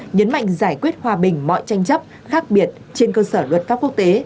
nhấn mạnh giải quyết hòa bình mọi tranh chấp khác biệt trên cơ sở luật pháp quốc tế